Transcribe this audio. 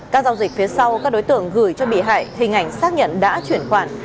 các giao dịch phía sau các đối tượng gửi cho bị hại hình ảnh xác nhận đã chuyển khoản